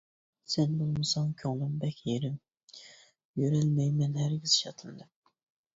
سەن بولمىساڭ كۆڭلۈم بەك يېرىم، يۈرەلمەيمەن ھەرگىز شادلىنىپ.